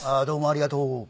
「どうもありがとう」